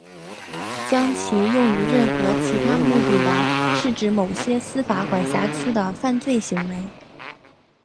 将其用于任何其他目的是某些司法管辖区的犯罪行为。